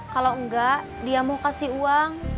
kalau enggak dia mau kasih uang